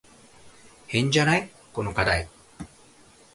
変じゃない？この課題。